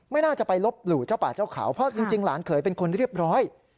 น่าจะไปลบหลู่เจ้าป่าเจ้าเขาเพราะจริงหลานเขยเป็นคนเรียบร้อย